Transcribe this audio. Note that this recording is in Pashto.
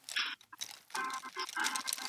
د جرګي غړو به د هیواد د استقلال ساتنه کوله.